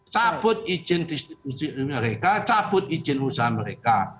cabut izin distribusi mereka cabut izin usaha mereka